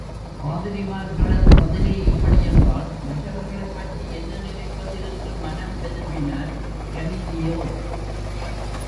பாதிரிமார்களது பதிலே இப்படி என்றால் மற்றவர்களைப் பற்றி என்ன நினைப்பது என்று மனம் வெதும்பினார் கலீலியோ!